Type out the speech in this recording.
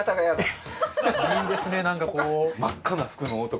いいですねなんかこう。